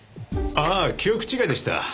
ああ記憶違いでした。